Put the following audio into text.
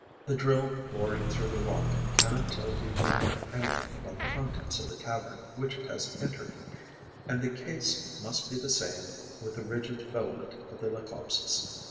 The drill boring through the rock cannot tell the miner anything about the contents of the cavern which it has entered; and the case must be the same with the rigid filament of the Leucopses.